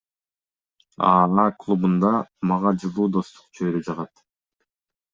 АА клубунда мага жылуу достук чөйрө жагат.